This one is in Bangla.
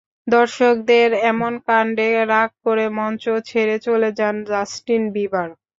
দর্শকদের এমন কাণ্ডে রাগ করে মঞ্চ ছেড়ে চলে যান জাস্টিন বিবার।